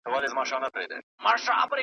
چې که د یوې زمانې ښکېلاکي توپانونه